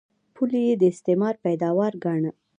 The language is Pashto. پولې یې د استعمار پیداوار ګاڼه.